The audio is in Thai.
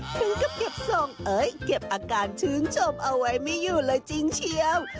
ถึงกับเก็บทรงเอ้ยเก็บอาการชื่นชมเอาไว้ไม่อยู่เลยจริงเชียว